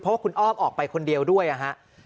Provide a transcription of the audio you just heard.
เพราะว่าคุณอ้อมออกไปคนเดียวด้วยนะฮะ